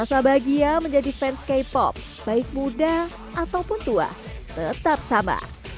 rasa bahagia menjadi fans k pop baik muda ataupun tua tetap sama